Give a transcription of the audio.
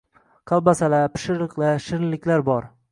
Kolbasalar, pishiriqlar, shirinliklar bor.